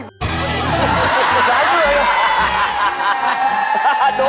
ไม่ตายชุดเลย